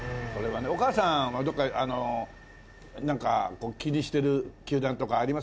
お母さんはどこかなんか気にしてる球団とかあります？